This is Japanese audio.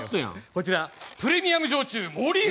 こちら、プレミアム焼酎森伊蔵。